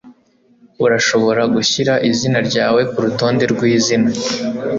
Urashobora gushyira izina ryawe kurutonde rwizina.